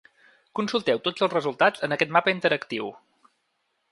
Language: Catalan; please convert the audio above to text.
Consulteu tots els resultats en aquest mapa interactiu.